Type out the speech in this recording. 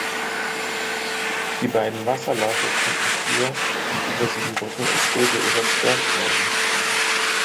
Die beiden Wasserläufe konnten früher über sieben Brücken und Stege überquert werden.